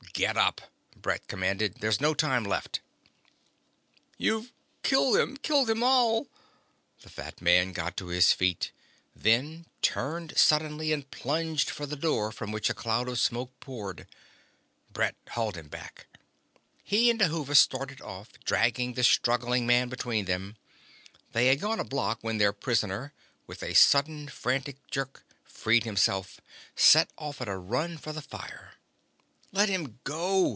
"Get up," Brett commanded. "There's no time left." "You've killed them. Killed them all ..." The fat man got to his feet, then turned suddenly and plunged for the door from which a cloud of smoke poured. Brett hauled him back. He and Dhuva started off, dragging the struggling man between them. They had gone a block when their prisoner, with a sudden frantic jerk, freed himself, set off at a run for the fire. "Let him go!"